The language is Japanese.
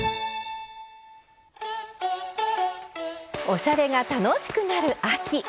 おしゃれが楽しくなる秋。